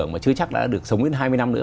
mà chưa chắc đã được sống đến hai mươi năm nữa